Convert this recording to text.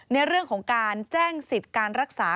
ในเรื่องของการแจ้งสิทธิ์การรักษา